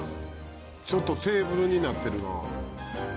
ちょっとテーブルになってるな。